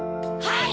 はい！